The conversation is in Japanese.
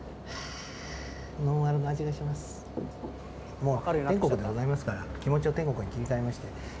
もう天国でございますから気持ちを天国に切り替えまして。